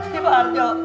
siap pak arjo